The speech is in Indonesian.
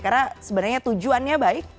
karena sebenarnya tujuannya baik